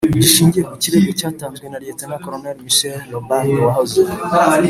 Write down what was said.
gishingiye ku kirego cyatanzwe na Lieutenant Colonel Michel Robarday wahoze